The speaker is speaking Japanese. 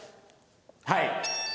はい。